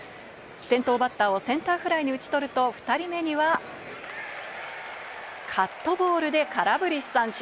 先頭バッターをセンターフライに打ち取ると２人目には、カットボールで空振り三振。